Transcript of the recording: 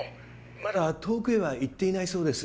まだ遠くへは行っていないそうです。